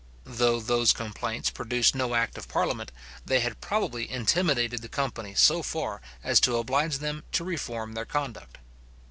Though those complaints produced no act of parliament, they had probably intimidated the company so far, as to oblige them to reform their conduct.